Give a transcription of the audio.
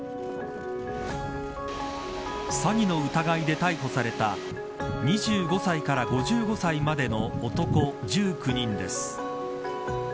詐欺の疑いで逮捕された２５歳から５５歳までの男１９人です。